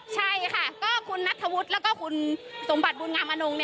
ใช่ค่ะก็คุณนัทธวุฒิแล้วก็คุณสมบัติบุญงามอนง